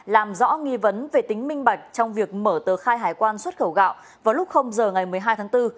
làm rõ nghi vấn về tính minh bạch trong việc mở tờ khai hải quan xuất khẩu gạo vào lúc giờ ngày một mươi hai tháng bốn